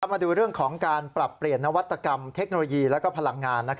มาดูเรื่องของการปรับเปลี่ยนนวัตกรรมเทคโนโลยีและพลังงาน